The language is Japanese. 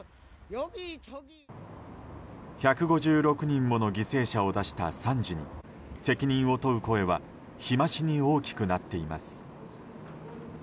１５６人もの犠牲者を出した惨事に責任を問う声は日増しに大きくなっています。